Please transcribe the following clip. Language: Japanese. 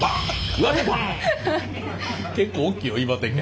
結構おっきいよ岩手県。